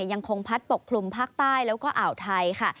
ยังคงพัดปกคลุมภาคใต้แล้วก็อ่าวไทยค่ะ